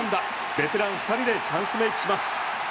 ベテラン２人でチャンスメイクします。